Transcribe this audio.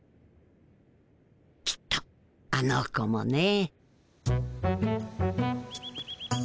きっとあの子もね。